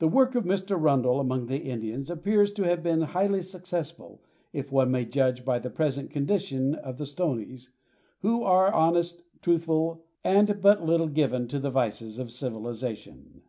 The work of Mr. Rundle among the Indians appears to have been highly successful, if one may judge by the present condition of the Stoneys, who are honest, truthful, and but little given to the vices of civilization.